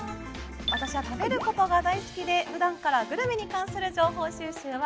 私は食べることが大好きでふだんからグルメに関する情報収集は欠かしません。